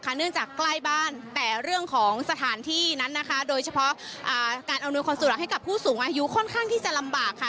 เนื่องจากใกล้บ้านแต่เรื่องของสถานที่นั้นนะคะโดยเฉพาะการอำนวยความสะดวกให้กับผู้สูงอายุค่อนข้างที่จะลำบากค่ะ